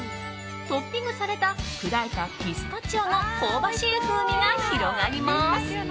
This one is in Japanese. トッピングされた砕いたピスタチオの香ばしい風味が広がります。